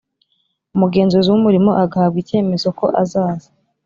Umugenzuzi w Umurimo agahabwa icyemezo ko azaza